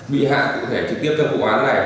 bị hại cụ thể trực tiếp trong vụ án này